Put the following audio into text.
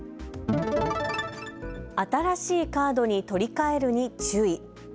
新しいカードに取り替えるに注意。